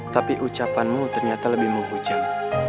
tapi ucapanmu ternyata lebih menghujam